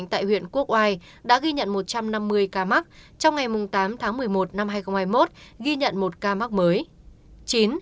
tại huyện quốc oai đã ghi nhận một trăm năm mươi ca mắc trong ngày tám tháng một mươi một năm hai nghìn hai mươi một ghi nhận một ca mắc mới